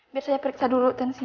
biar saya periksa dulu tensinya